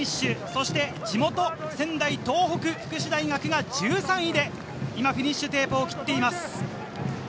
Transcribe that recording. そして地元・仙台、東北福祉大学が１３位で今、フィニッシュテープを切っています。